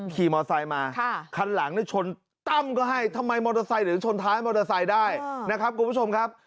ขี่มอไซค์มาคันหลังชนตั้มก็ให้ทำไมมอเตอร์ไซค์หรือชนท้ายมอเตอร์ไซค์ได้นะครับคุณผู้ชมครับ